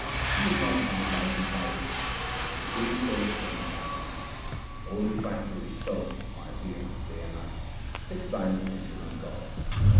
He is not found by contrivance ; the Guru showeth Him in thy heart. O refractory soul, my dear, day and night fix thine attention on God.